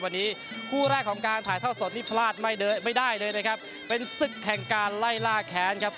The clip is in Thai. วันนี้คู่แรกของการถ่ายทอดสดนี่พลาดไม่ได้เลยนะครับเป็นศึกแห่งการไล่ล่าแค้นครับ